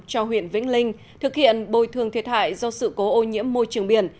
cho huyện vĩnh linh thực hiện bồi thường thiệt hại do sự cố ô nhiễm môi trường biển